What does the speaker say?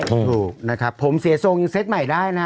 ใช่ถูกนะครับผมเสียโซงเสร็จใหม่ได้น่ะ